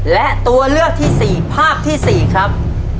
และตัวเลือกที่๔ภาพที่๔ครับ